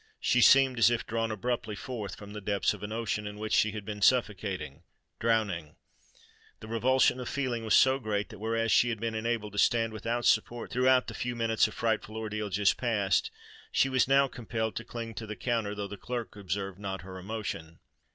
She seemed as if drawn abruptly forth from the depths of an ocean in which she had been suffocating—drowning. The revulsion of feeling was so great, that, whereas she had been enabled to stand without support throughout the few minutes of frightful ordeal just passed, she was now compelled to cling to the counter, though the clerk observed not her emotion.